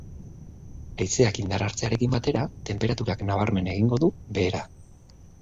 Haizeak indarra hartzearekin batera, tenperaturak nabarmen egingo du behera.